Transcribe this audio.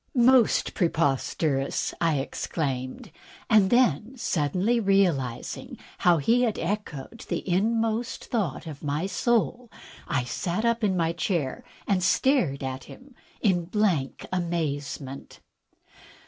"Most preposterous!" I exclaimed, and then, suddenly realizing how he had echoed the inmost thought of my soul, I sat up in my chair and stared at him in blank amazement.